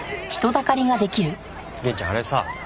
源ちゃんあれさ。